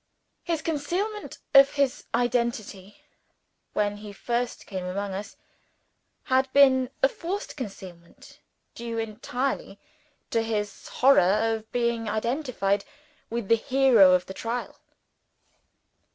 His concealment of his identity, when he first came among us, had been a forced concealment due entirely to his horror of being identified with the hero of the trial.